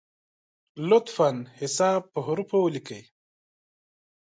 لطفا حساب په حروفو ولیکی!